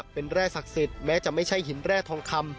เป็นแร่ศักดิ์สิทธิ์แม้จะไม่ใช่หินแร่ทองคำ